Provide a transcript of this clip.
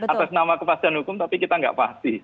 atas nama kepastian hukum tapi kita nggak pasti